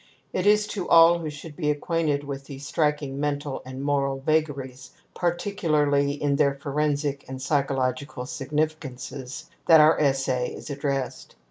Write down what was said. It is to all who should be acquainted with these striking mental and moral vagaries, particularly in their forensic and psychological significances, that our essay is addressed.